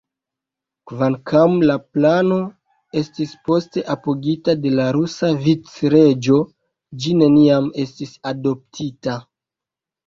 Kvankam la plano estis poste apogita de la rusa vicreĝo, ĝi neniam estis adoptita.